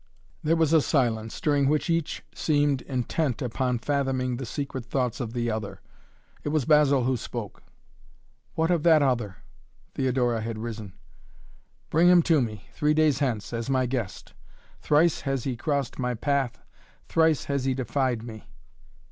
There was a silence during which each seemed intent upon fathoming the secret thoughts of the other. It was Basil who spoke. "What of that other?" Theodora had arisen. "Bring him to me three days hence as my guest. Thrice has he crossed my path. Thrice has he defied me!